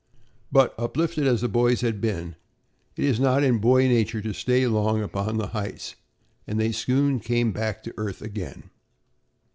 But, uplifted as the boys had been, it is not in boy nature to stay long upon the heights and they soon came down to earth again.